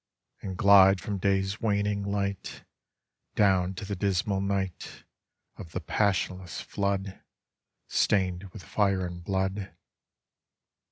And glide from day f s waning light Down to the dismal night Of the passionless flood, Stained with fire and "blood.